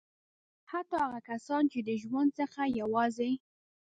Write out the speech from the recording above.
حتی هغه کسان چې د ژوند څخه یې یوازې.